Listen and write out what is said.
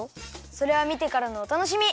それはみてからのおたのしみ！